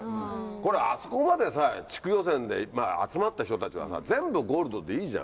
これあそこまでさ、地区予選で集まった人たちは、全部ゴールドでいいじゃん。